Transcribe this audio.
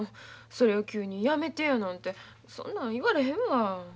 それを急にやめてやなんてそんなん言われへんわ。